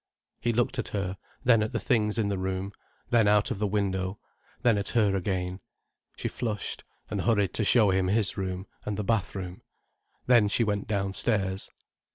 He looked at her, then at the things in the room, then out of the window, then at her again. She flushed, and hurried to show him his room, and the bath room. Then she went downstairs.